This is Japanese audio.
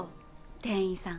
店員さん。